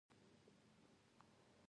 په بل کې تور چاې پروت و.